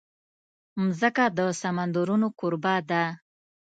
مځکه د سمندرونو کوربه ده.